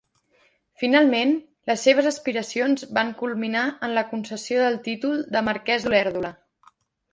Finalment, les seves aspiracions van culminar en la concessió del títol de Marquès d'Olèrdola.